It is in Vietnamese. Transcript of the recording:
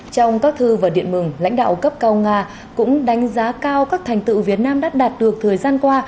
trong các thư và điện mừng lãnh đạo cấp cao nga cũng đánh giá cao các thành tựu việt nam đã đạt được thời gian qua